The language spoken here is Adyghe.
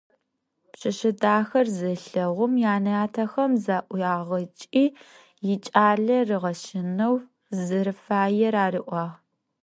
Пшъэшъэ дахэр зелъэгъум янэ ятэхэм заӏуигъакӏи икӏалэ ригъэщэнэу зэрэфаер ариӏуагъ.